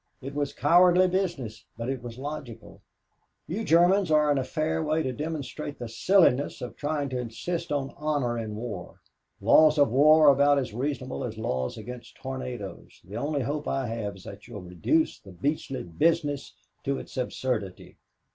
It was cowardly business, but it was logical. You Germans are in a fair way to demonstrate the silliness of trying to insist on honor in war. Laws of war are about as reasonable as laws against tornadoes. The only hope I have is that you'll reduce the beastly business to its absurdity."